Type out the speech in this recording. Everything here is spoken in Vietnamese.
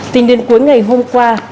tính đến cuối ngày hôm qua